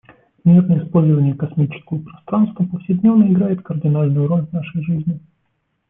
Мирное использование космического пространства повседневно играет кардинальную роль в нашей жизни.